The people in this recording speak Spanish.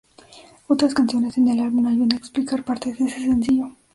Otras canciones en el álbum ayudan a explicar partes de ese sencillo.